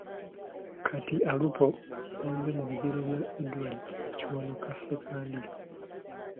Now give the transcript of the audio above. Kati Alupo y’azze mu bigere bya Edward Kiwanuka Ssekandi.